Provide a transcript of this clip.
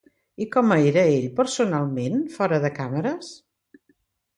I com era ell personalment, fora de càmeres?